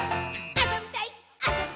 「あそびたいっ！！」